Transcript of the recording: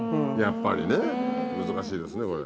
やっぱりね難しいですね